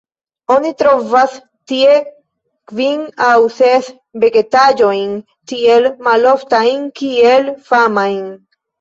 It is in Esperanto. Oni trovas tie kvin aŭ ses vegetaĵojn tiel maloftajn kiel famajn.